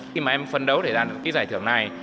khi mà em phân đấu để đạt được cái giải thưởng này